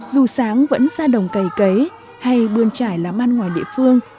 dù sáng vẫn ra đồng cầy cấy hay bươn trải lắm ăn ngoài địa phương